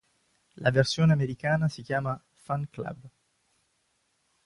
La versione americana si chiama "Fun Club".